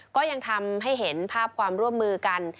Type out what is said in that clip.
ก็ยังทำให้เห็นภาพความร่วมมือกัน